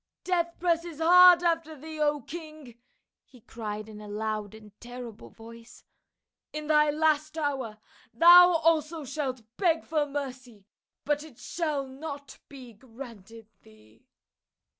" Death presses hard after thee, O king !" he cried in a loud and terrible voice. " In thy last hour thou also shalt beg for mercy, but it shall not be granted thee."